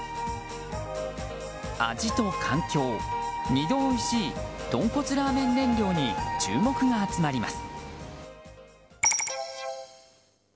味と環境、２度おいしいとんこつラーメン燃料に注目が集まります。